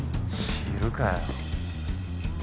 知るかよ。